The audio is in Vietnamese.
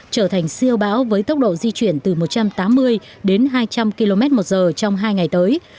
trở thành siêu bão với tốc độ di chuyển từ một trăm tám mươi đến hai trăm linh km một giờ trong hai ngày tới